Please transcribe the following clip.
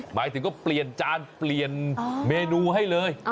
หมายถึงก็เปลี่ยนจานเปลี่ยนเมนูให้เลย